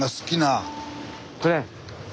これ？